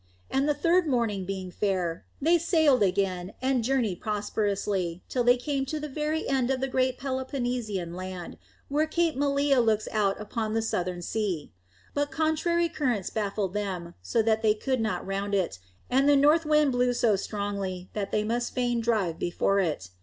And the third morning being fair, they sailed again, and journeyed prosperously till they came to the very end of the great Peloponnesian land, where Cape Malea looks out upon the southern sea. But contrary currents baffled them, so that they could not round it, and the north wind blew so strongly that they must fain drive before it.